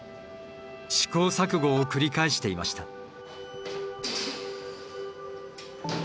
試行錯誤を繰り返していました。